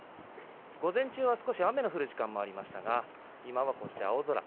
午前中は少し雨の降る時間もありましたが今はこうして青空。